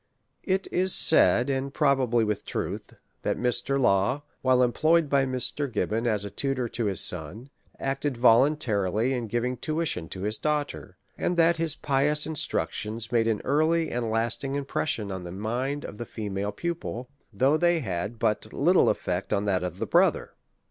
It is said, and pixibably with truth, that Mr. Law, while employed by Mr. Gibbon as tutor to his son, acted voluntarily in giving tuition to his daughter ; and that his pious instructions made an early and lasting* impression on the mind of his female pupil, though they had but little eifect on that of her brother.